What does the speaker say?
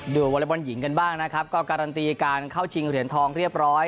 วอเล็กบอลหญิงกันบ้างนะครับก็การันตีการเข้าชิงเหรียญทองเรียบร้อย